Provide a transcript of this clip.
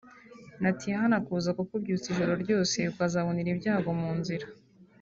Natihana kuza kukubyutsa ijoro ryose azabonera ibyago mu nzira